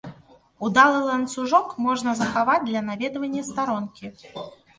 Удалы ланцужок можна захаваць для наведвання старонкі.